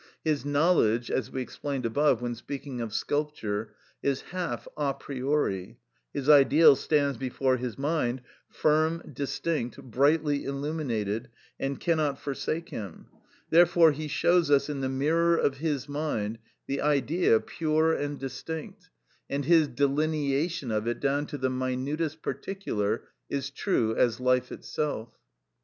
His knowledge, as we explained above when speaking of sculpture, is half a priori; his ideal stands before his mind firm, distinct, brightly illuminated, and cannot forsake him; therefore he shows us, in the mirror of his mind, the Idea pure and distinct, and his delineation of it down to the minutest particular is true as life itself.